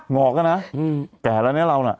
งอกอะนะแก่แล้วเนี่ยเราน่ะ